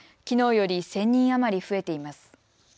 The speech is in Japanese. きのうより１０００人余り増えています。